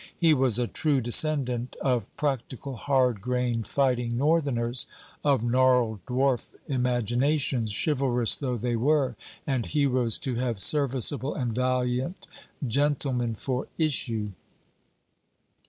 He was a true descendant of practical hard grained fighting Northerners, of gnarled dwarf imaginations, chivalrous though they were, and heroes to have serviceable and valiant gentlemen for issue.